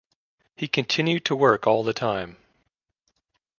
He continued to work all the time.